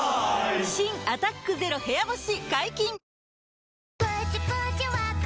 新「アタックＺＥＲＯ部屋干し」